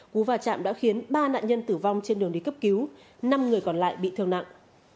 cú và chạm đã khiến ba nạn nhân tử vong trên đường đi cấp cứu năm người còn lại bị thương nặng